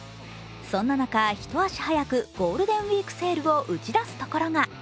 そんな中、一足早くゴールデンウイークセールを打ち出すところが。